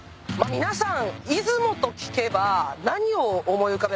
皆さん